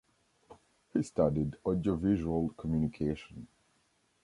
He studied Audiovisual Communication.